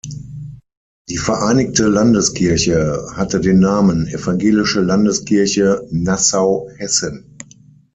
Die vereinigte Landeskirche hatte den Namen „Evangelische Landeskirche Nassau-Hessen“.